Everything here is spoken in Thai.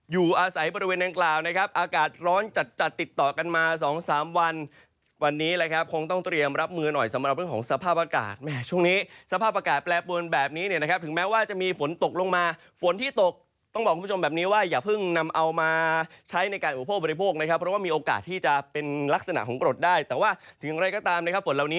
สวัสดีครับอากาศร้อนจัดติดต่อกันมา๒๓วันวันนี้คงต้องเตรียมรับมือหน่อยสำหรับสภาพอากาศช่วงนี้สภาพอากาศแปลบนแบบนี้ถึงแม้ว่าจะมีฝนตกลงมาฝนที่ตกต้องบอกคุณผู้ชมแบบนี้ว่าอย่าพึ่งนำเอามาใช้ในการอุโปรบริโภคนะครับเพราะว่ามีโอกาสที่จะเป็นลักษณะของกรดได้